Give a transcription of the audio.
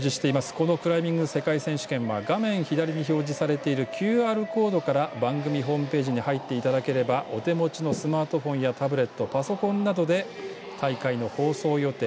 このクライミング世界選手権は画面左に表示されているＱＲコードから番組ホームページに入っていただければお手持ちのスマートフォンやタブレットパソコンなどで、大会の放送予定